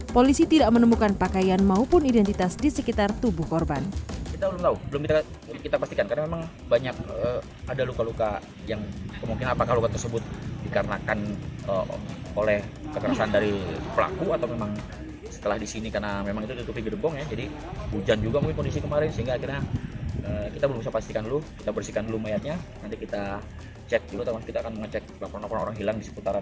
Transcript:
polisi tidak menemukan pakaian maupun identitas di sekitar tubuh korban